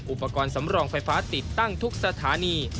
อุปกรณ์สำรองไฟฟ้าติดตั้งทุกสถานี